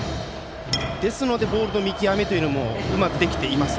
ですのでボールの見極めもうまくできています。